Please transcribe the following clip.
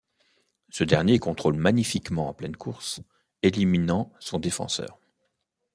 Ce dernier contrôle magnifiquement en pleine course, éliminant son défenseur.